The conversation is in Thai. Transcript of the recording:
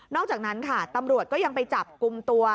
อกจากนั้นค่ะตำรวจก็ยังไปจับกลุ่มตัว